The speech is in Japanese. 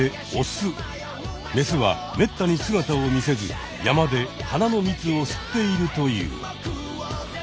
メスはめったに姿を見せず山で花の蜜を吸っているという。